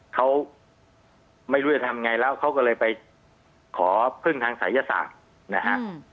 เขาไม่รู้จะทำไงแล้วเขาก็เลยไปขอพึ่งทางศัยศาสตร์นะฮะ